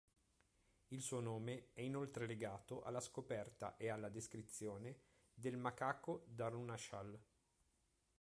Il suo nome è inoltre legato alla scoperta e alla descrizione del macaco d'Arunachal.